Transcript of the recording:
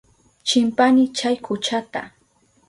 Chimpani chay kuchata.